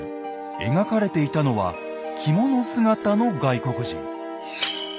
描かれていたのは着物姿の外国人。